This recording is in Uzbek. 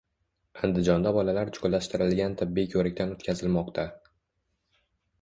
Andijonda bolalar chuqurlashtirilgan tibbiy ko‘rikdan o‘tkazilmoqda